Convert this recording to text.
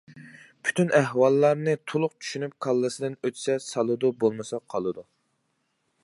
پۈتۈن ئەھۋاللارنى تۇلۇق چۈشىنىپ كاللىسىدىن ئۆتسە سالىدۇ بولمىسا قالىدۇ.